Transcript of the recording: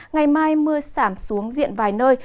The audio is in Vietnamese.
ngày mai mưa sảm xuống diện vài nơi